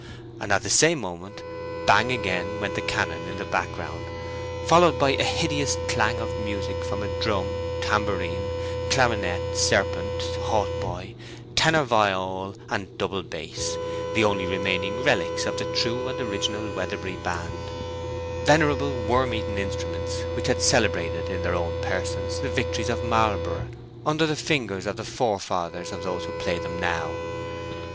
and at the same moment bang again went the cannon in the background, followed by a hideous clang of music from a drum, tambourine, clarionet, serpent, hautboy, tenor viol, and double bass—the only remaining relics of the true and original Weatherbury band—venerable worm eaten instruments, which had celebrated in their own persons the victories of Marlborough, under the fingers of the forefathers of those who played them now.